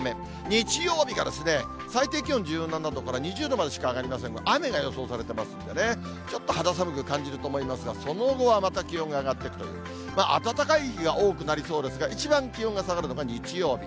日曜日が最低気温１７度から２０度までしか上がりませんが、雨が予想されてますんでね、ちょっと肌寒く感じると思いますが、その後はまた気温が上がっていくという、暖かい日が多くなりそうですが、一番気温が下がるのが日曜日。